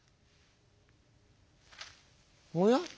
「おや？